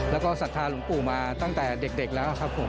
แล้วก็ศรัทธาหลวงปู่มาตั้งแต่เด็กแล้วครับผม